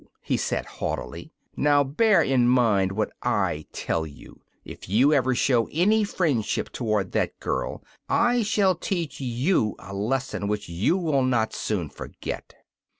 he said, haughtily. 'Now bear in mind what I tell you; if you ever show any friendship toward that girl I shall teach you a lesson which you will not soon forget.